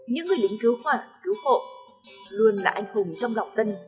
những người lính cứu hỏa cứu hộ luôn là anh hùng trong lòng dân